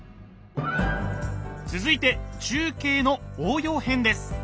続いて中継の応用編です。